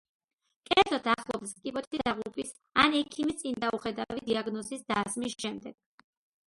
კერძოდ, ახლობლის კიბოთი დაღუპვის ან ექიმის წინდაუხედავი დიაგნოზის დასმის შემდეგ.